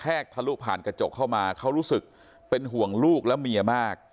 ทะลุผ่านกระจกเข้ามาเขารู้สึกเป็นห่วงลูกและเมียมาก